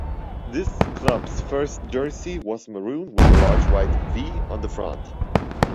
The club's first jersey was maroon with a large white 'V' on the front.